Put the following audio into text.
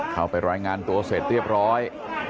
เข้าไปรายงานตัวเสร็จเรียบร้อย